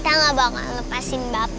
kenapa pake miripin gak